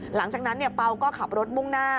หลังจากนั้นเปล่าก็ขับรถมุ่งหน้า